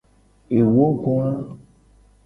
Ewogoa.